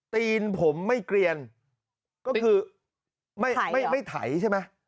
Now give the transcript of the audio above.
ตีนผมไม่เกลียนก็คือไม่ไม่ไถใช่ไหม